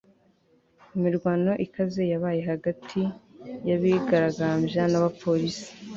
imirwano ikaze yabaye hagati y'abigaragambyaga n'abapolisi